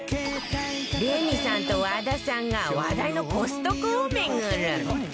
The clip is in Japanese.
レミさんと和田さんが話題のコストコを巡る